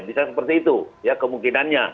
bisa seperti itu ya kemungkinannya